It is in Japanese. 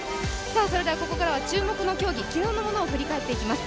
それではここからは注目の競技、昨日のものを振り返っていきます。